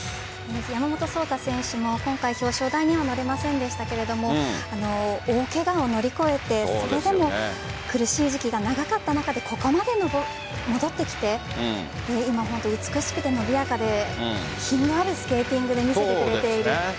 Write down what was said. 山本草太選手も今回表彰台には乗れませんでしたけど大けがを乗り越えて、それでも苦しい時期が長かった中でここまで戻ってきて今、本当に美しくて伸びやかで品のあるスケーティングを見せてくれている。